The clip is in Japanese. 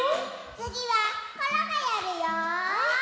つぎはコロがやるよ！